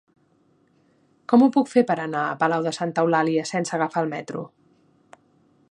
Com ho puc fer per anar a Palau de Santa Eulàlia sense agafar el metro?